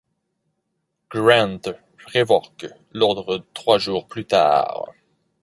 Grant révoque l’ordre trois jours plus tard.